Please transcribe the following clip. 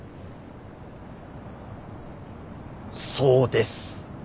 そうです。